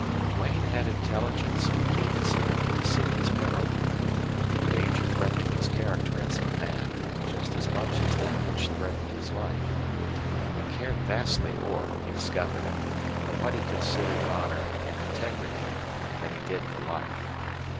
Duane had intelligence and keenness enough to see his peril the danger threatening his character as a man, just as much as that which threatened his life. He cared vastly more, he discovered, for what he considered honor and integrity than he did for life.